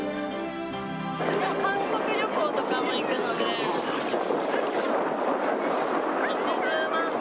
韓国旅行とかも行くので、えっ？